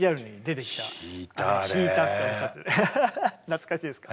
懐かしいですか。